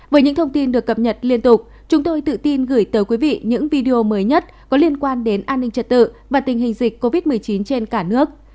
với những thông tin được cập nhật liên tục chúng tôi tự tin gửi tới quý vị những video mới nhất có liên quan đến an ninh trật tự và tình hình dịch covid một mươi chín trên cả nước